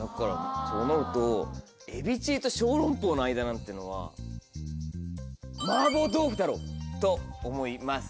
そうなるとエビチリとショウロンポウの間なんてのはマーボー豆腐だろ！と思います。